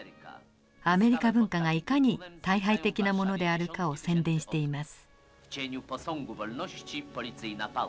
アメリカ文化がいかに退廃的なものであるかを宣伝しています。